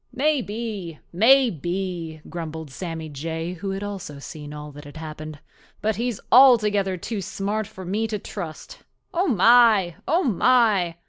"Maybe, maybe," grumbled Sammy Jay, who also had seen all that had happened. "But he's altogether too smart for me to trust. Oh, my! oh, my!